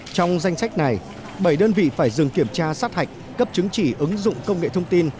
trong danh sách này bảy đơn vị phải dừng kiểm tra sát hạch cấp chứng chỉ ứng dụng công nghệ thông tin